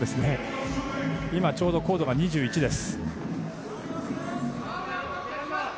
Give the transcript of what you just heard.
今ちょうど高度が２１です。